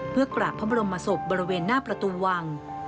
เพื่อกราบพระบรมศพบริเวณหน้าประตูวัง